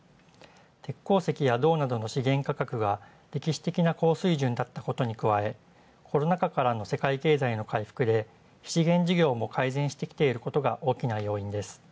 鉄鉱石や同等の資源価格が歴史的な高水準だったことに加え、コロナ禍からの世界経済の改善で資源事業も改善してきていることが大きな要因です。